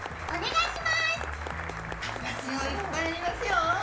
いっぱいありますよ。